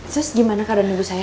terus gimana keadaan ibu saya